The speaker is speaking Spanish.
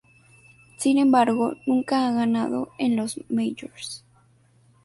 Sin embargo, nunca ha ganado en los majors.